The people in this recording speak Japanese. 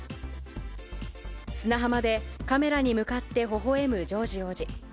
砂浜でカメラに向かってほほえむジョージ王子。